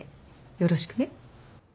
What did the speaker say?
よろしくね